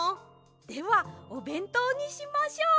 ではおべんとうにしましょう！